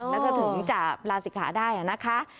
แล้วก็ถึงจะลาศิกขาได้นะคะ